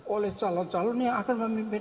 oleh calon calon yang akan memimpin